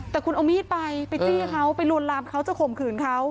แต่คุณเอามีดไปไปจี้เขาไปลวนลามเขาจะข่มขืนเขา